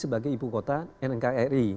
sebagai ibu kota nnkri